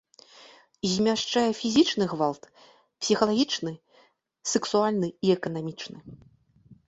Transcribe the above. Змяшчае фізічны гвалт, псіхалагічны, сэксуальны і эканамічны.